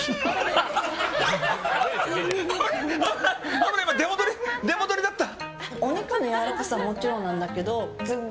危ない、今出戻りだった。